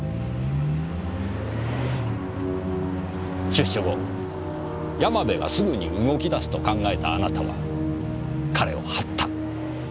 出所後山部がすぐに動き出すと考えたあなたは彼を張った。